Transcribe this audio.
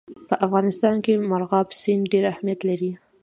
په افغانستان کې مورغاب سیند ډېر اهمیت لري.